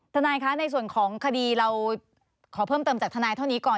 ทนายคะในส่วนของคดีเราขอเพิ่มเติมจากทนายเท่านี้ก่อน